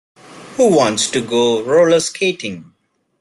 Who wants to go roller skating?